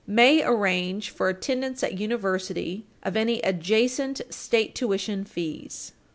May arrange for attendance at university of any adjacent state Tuition fees.